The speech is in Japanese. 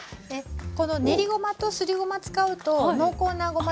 この練りごまとすりごま使うと濃厚なごま